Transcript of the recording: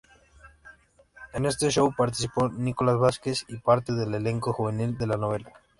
En este show participó Nicolás Vázquez y parte del elenco juvenil de la novela.